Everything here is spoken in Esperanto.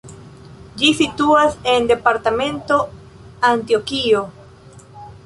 Ĝi situas en departemento Antjokio.